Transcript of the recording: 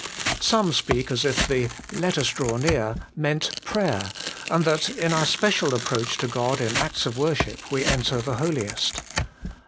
Some speak as if the, ' Let us draw near,' meant prayer, and that in our special approach to God in acts of worship we enter the Holiest.